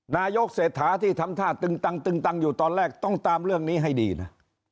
นายกเศรษฐาที่ทำท่าตึงตังตึงตังอยู่ตอนแรกต้องตามเรื่องนี้ให้ดีนะ